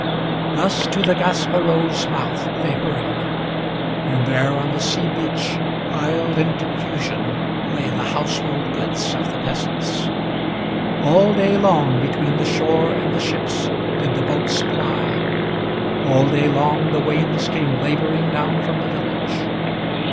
Thus to the Gaspereau's mouth they hurried; and there on the sea beach Piled in confusion lay the household goods of the peasants. All day long between the shore and the ships did the boats ply; All day long the wains came laboring down from the village.